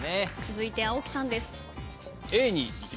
続いて青木さんです。